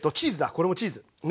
これもチーズね。